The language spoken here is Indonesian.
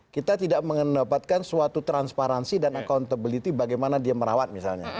kita tidak mendapatkan suatu transparansi dan accountability bagaimana dia merawat misalnya